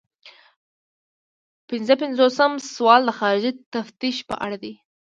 پنځه پنځوسم سوال د خارجي تفتیش په اړه دی.